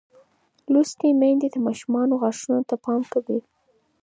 لوستې میندې د ماشوم غاښونو ته پام کوي.